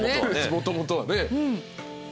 もともとはね。